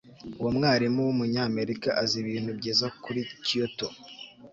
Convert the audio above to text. Uwo mwarimu wumunyamerika azi ibintu byiza kuri Kyoto